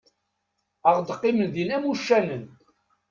Ad ɣ-d-qqimen din am uccanen.